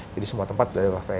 jadi semua tempat ada wifi